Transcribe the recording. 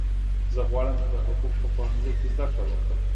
زه غواړم چې د حقوقو په پوهنځي کې زده کړه وکړم